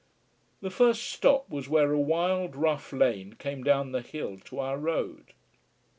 The first stop was where a wild, rough lane came down the hill to our road.